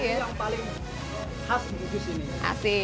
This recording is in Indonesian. ini yang paling khas di kudus ini